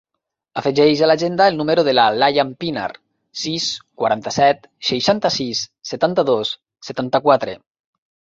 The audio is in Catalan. Afegeix a l'agenda el número de la Layan Pinar: sis, quaranta-set, seixanta-sis, setanta-dos, setanta-quatre.